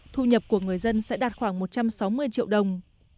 thu nhập của người dân sẽ đạt khoảng một trăm sáu mươi triệu đồng